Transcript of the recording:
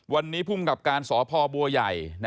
วันนี้ภูมิกับการสพบัวใหญ่